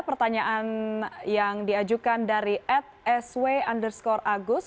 pertanyaan yang diajukan dari at sw underscore agus